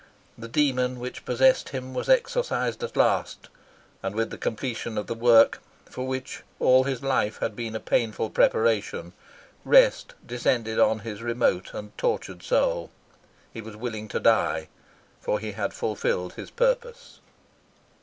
The demon which possessed him was exorcised at last, and with the completion of the work, for which all his life had been a painful preparation, rest descended on his remote and tortured soul. He was willing to die, for he had fulfilled his purpose.